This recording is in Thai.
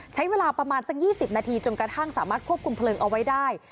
ใช้เวลาประมาณสัก๒๐นาทีจนกระทั่งสามารถควบคุมเพลิงเอาไว้ได้